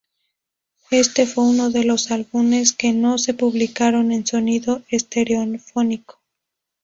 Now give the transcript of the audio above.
Este fue uno de los álbumes que no se publicaron en sonido estereofónico.